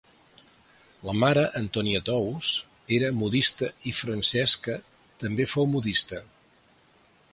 La mare, Antònia Tous, era modista i Francesca també fou modista.